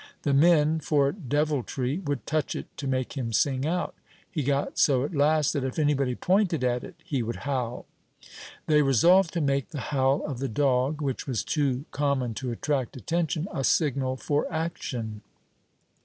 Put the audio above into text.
The men, for deviltry, would touch it, to make him sing out; he got so at last, that if anybody pointed at it he would howl. They resolved to make the howl of the dog, which was too common to attract attention, a signal for action.